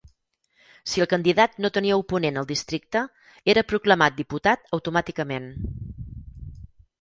Si el candidat no tenia oponent al districte, era proclamat diputat automàticament.